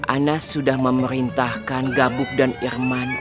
anas sudah memerintahkan gabuk dan irman